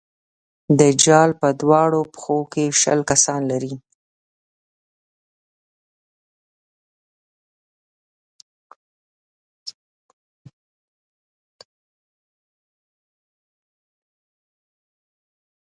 دجال په دواړو پښو کې شل کسان لري.